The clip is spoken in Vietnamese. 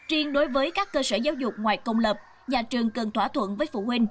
riêng đối với các cơ sở giáo dục ngoài công lập nhà trường cần thỏa thuận với phụ huynh